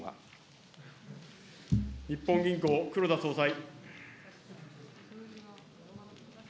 日本銀行、黒田総裁。